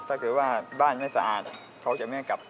ถ้าเกิดว่าบ้านไม่สะอาดเขาจะไม่ให้กลับ